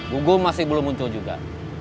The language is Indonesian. gugum masih belum muncul juga